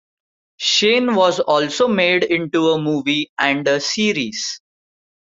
Shane was also made into a movie and a series.